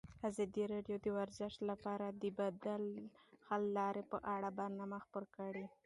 ازادي راډیو د ورزش لپاره د بدیل حل لارې په اړه برنامه خپاره کړې.